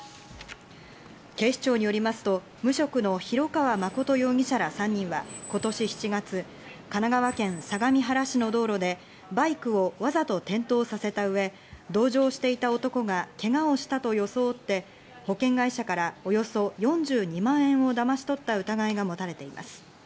警視庁によりますと、無職の広川誠容疑者ら３人は今年７月神奈川県相模原市の道路でバイクをわざと転倒させたうえ、同乗していた男がけがをしたと装って保険会社からおよそ４２万円をだまし取った疑いが持たれています。